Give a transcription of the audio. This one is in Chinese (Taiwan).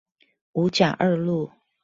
五甲二路